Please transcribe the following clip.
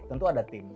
tentu ada tim